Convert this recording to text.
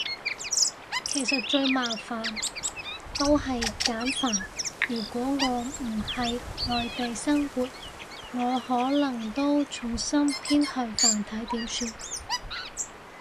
其實最麻煩都係簡繁，如果我唔係内地生活，我可能都重心偏向繁體算數